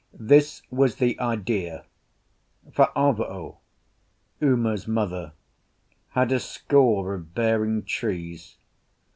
This was the idea: Fa'avao (Uma's mother) had a score of bearing trees.